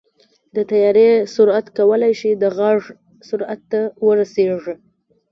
د طیارې سرعت کولی شي د غږ سرعت ته ورسېږي.